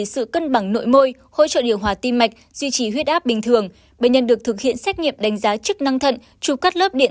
sự cân bằng nội môi hỗ trợ điều hòa tim mạch duy trì huyết áp bình thường bệnh nhân được thực hiện